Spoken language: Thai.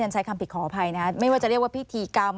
ใช้คำผิดขออภัยนะไม่ว่าจะเรียกว่าพิธีกรรม